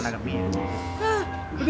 enggak ada gapi